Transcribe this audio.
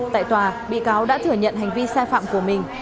tại tòa bị cáo đã thừa nhận hành vi sai phạm của mình